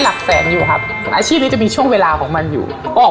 หลักแสนอยู่ครับอาชีพนี้จะมีช่วงเวลาของมันอยู่ออก